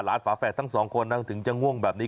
ฝาแฝดทั้งสองคนถึงจะง่วงแบบนี้